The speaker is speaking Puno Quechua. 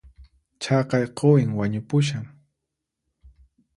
Chaqay quwin wañupushan